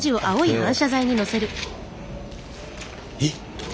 えっ。